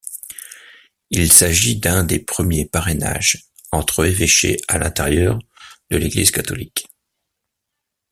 Il s'agit d'un des premiers parrainages entre évêchés à l'intérieur de l'Église catholique.